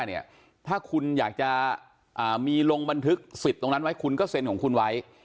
ถ้าคุณอยากจะมีลงบันทึกสิทธิ์ตรงนั้นไว้คุณก็เซ็นของคุณไว้